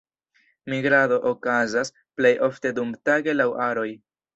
Migrado okazas plej ofte dumtage laŭ aroj.